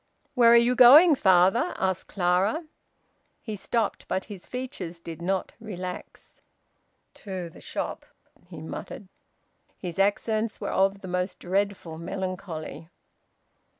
"Where are you going, father?" asked Clara. He stopped, but his features did not relax. "To the shop," he muttered. His accents were of the most dreadful melancholy.